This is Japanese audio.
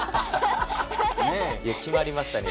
いや決まりましたね